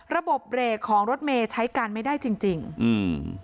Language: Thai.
ระบบเบรกของรถเมย์ใช้การไม่ได้จริงจริงอืม